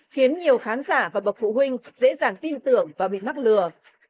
khiến nhiều khán giả và bậc phụ huynh dễ dàng tin tưởng và bị mắc lừa